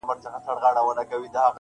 • زه به بیا راځمه -